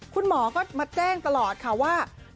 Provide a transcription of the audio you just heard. โปรดติดตามต่อไป